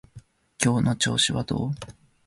今日の調子はどう？